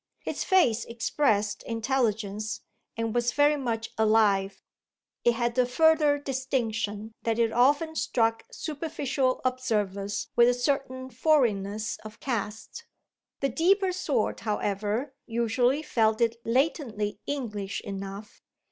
His face expressed intelligence and was very much alive; it had the further distinction that it often struck superficial observers with a certain foreignness of cast. The deeper sort, however, usually felt it latently English enough.